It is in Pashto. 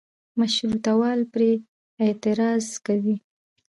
مشروطه وال پرې اعتراض کوي.